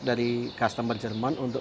dari customer jerman untuk